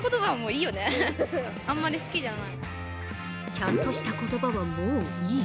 ちゃんとした言葉は、もういい。